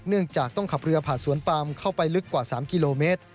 เนื่องจากต้องขับเรือผ่านสวนปามเข้าไปลึกกว่า๓กิโลเมตร